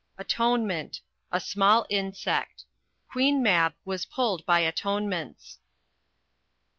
Atonement A small insect: Queen Mab was pulled by atonements.